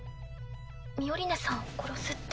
ミオリネさん殺すって。